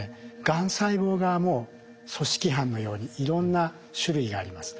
がん細胞側も組織犯のようにいろんな種類があります。